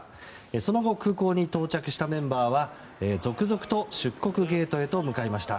その後空港に到着したメンバーは続々と出国ゲートへと向かいました。